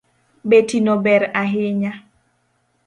Betino ber ahinya